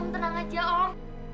om tenang aja om